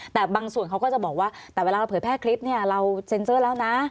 แต่บางส่วนเขาก็จะบอกว่าแต่เวลาเราเผยแพร่คลิปเนี่ยเราเซ็นเซอร์แล้วนะ